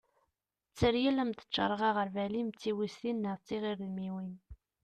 tteryel ad am-d-ččareγ aγerbal-im d tiwiztin neγ tiγredmiwin